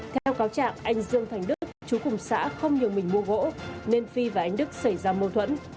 theo cáo trạng anh dương thành đức chú củng sã không nhờ mình mua gỗ nên phi và anh đức xảy ra mâu thuẫn